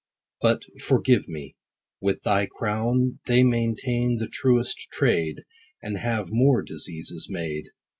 But, forgive me, — with thy crown They maintain the truest trade, 10 And have more diseases made.